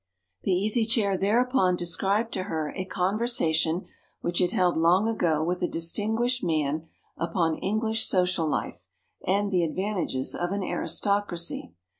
The Easy Chair thereupon described to her a conversation which it held long ago with a distinguished man upon English social life and the advantages of an aristocracy.